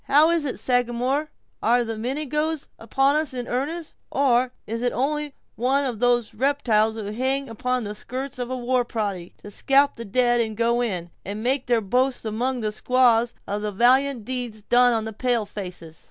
"How is it, Sagamore? Are the Mingoes upon us in earnest, or is it only one of those reptiles who hang upon the skirts of a war party, to scalp the dead, go in, and make their boast among the squaws of the valiant deeds done on the pale faces?"